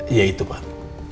iya itu pak